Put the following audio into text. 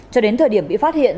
cho đến thời điểm bị phát hiện